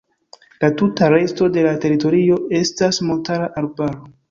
La tuta resto de la teritorio estas montara arbaro.